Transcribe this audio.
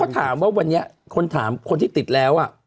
ก็สามารถวันนี้คนที่ติดแล้ว